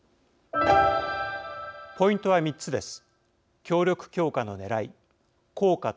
ポイントは３つです。